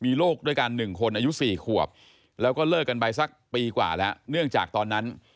มีลูกด้วยกัน๑คนอายุ๔ขวบแล้วก็เลิกกันไปสักปีกว่าแล้วเนื่องจากตอนนั้น